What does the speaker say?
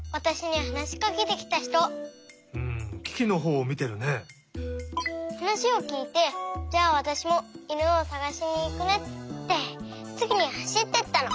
はなしをきいてじゃあわたしもいぬをさがしにいくねってすぐにはしっていったの。